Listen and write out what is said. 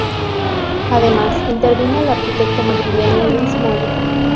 Además intervino el arquitecto madrileño Luis Moya.